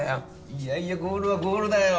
いやいやゴールはゴールだよ。